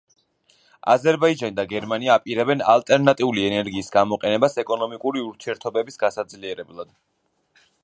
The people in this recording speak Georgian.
აზერბაიჯანი და გერმანია აპირებენ ალტერნატიული ენერგიის გამოყენებას ეკონომიკური ურთიერთობების გასაძლიერებლად.